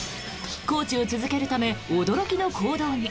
コーチを続けるため驚きの行動に。